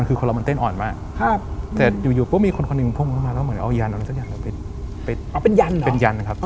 คือทิพจรคือคนเหล่ามันเต้นอ่อนมาก